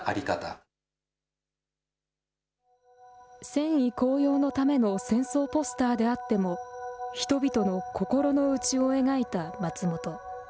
戦意高揚のための戦争ポスターであっても、人々の心の内を描いた松本。